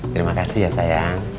terima kasih ya sayang